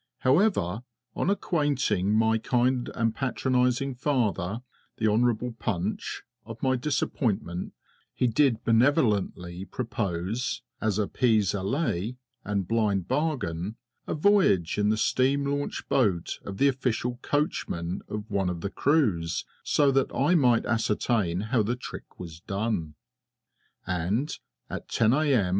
However, on acquainting my kind and patronising father, Hon'ble Punch, of my disappointment, he did benevolently propose, as a pis aller and blind bargain, a voyage in the steam launch boat of the official coachman of one of the crews so that I might ascertain how the trick was done. And at 10 A.M.